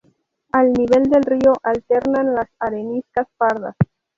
Al nivel del río, alternan las areniscas pardas.